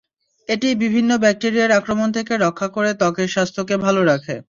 এটি বিভিন্ন ব্যাকটেরিয়ার আক্রমণ থেকে রক্ষা করে ত্বকের স্বাস্থ্যকে ভালো রাখে।